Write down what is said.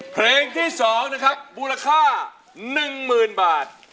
เพลงที่๒บูรค่า